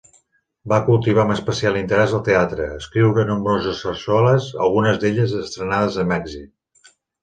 Va cultivar amb especial interés el teatre, escriure nombroses sarsueles, algunes d'elles estrenades amb èxit.